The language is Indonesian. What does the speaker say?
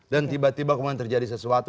dan tiba tiba kemudian terjadi sesuatu